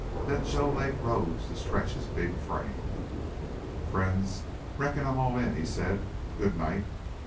Then Joe Lake rose to stretch his big frame. "Friends, reckon I'm all in," he said. "Good night."